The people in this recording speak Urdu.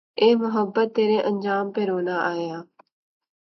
اے محبت تیرے انجام پہ رونا آیا